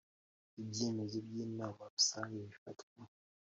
Ibyemezo by Inama Rusange bifatwa